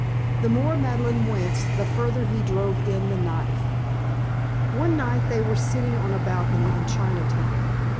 The more Madeleine winced the further he drove in the knife. One night they were sitting on a balcony in Chinatown.